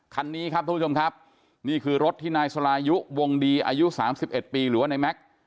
คันนี้ครับทุกผู้ชมครับนี่คือรถที่นายสลายุวงดีอายุ๓๑ปีหรือว่าในแม็กซ์